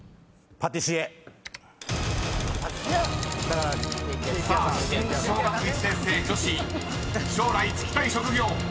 パティシエ⁉［さあ新小学１年生女子将来就きたい職業］